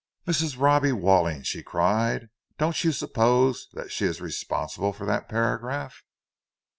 "Mrs. Robbie Walling!" she cried. "Don't you suppose that she is responsible for that paragraph?"